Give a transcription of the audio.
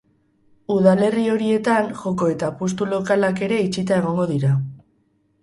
Udalerri horietan joko eta apustu-lokalak ere itxita egongo dira.